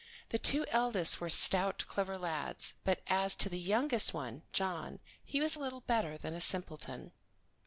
The two eldest were stout clever lads, but as to the youngest one, John, he was little better than a simpleton.